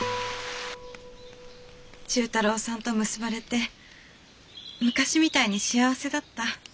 忠太郎さんと結ばれて昔みたいに幸せだった。